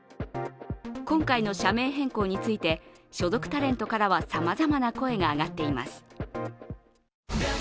今回の社名変更について、所属タレントからはさまざまな声が上がっています。